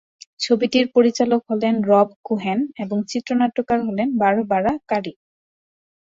ছবিটির পরিচালক হলেন রব কোহেন এবং চিত্রনাট্যকার হলেন বারবারা কারি।